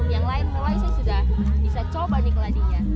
yang lain mulai saya sudah bisa coba nih keladinya